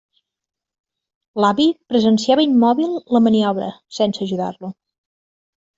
L'avi presenciava immòbil la maniobra, sense ajudar-lo.